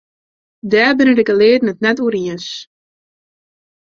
Dêr binne de gelearden it net oer iens.